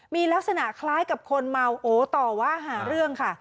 มีลักษณะคล้ายกับคนเมาโอต่อว่าหาเรื่องค่ะ